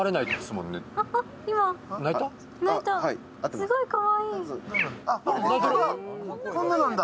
すごいかわいい。